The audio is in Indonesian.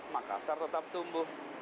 makassar tetap tumbuh